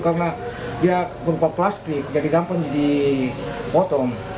karena dia berupa plastik jadi gampang jadi potong